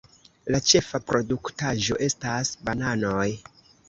La ĉefa produktaĵo estas bananoj.